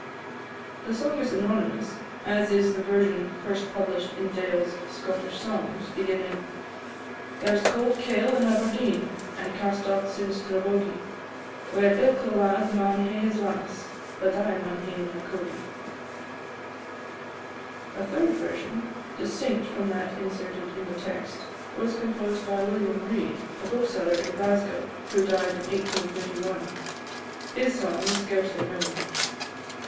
The song is anonymous, as is the version, first published in Dale's "Scottish Songs," beginning "There 's cauld kail in Aberdeen, And castocks in Strabogie, Where ilka lad maun hae his lass, But I maun hae my cogie." A third version, distinct from that inserted in the text, was composed by William Reid, a bookseller in Glasgow, who died in 1831. His song is scarcely known.